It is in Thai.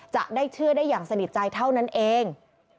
จะได้เชื่อได้อย่างสนิทใจเท่านั้นเอง